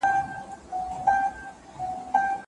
موږ بايد ناوړه دودونه پريږدو.